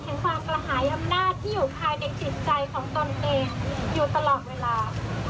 หายธรรมดาที่อยู่ภายเด็กสินใจของตนเองอยู่ตลอดเวลา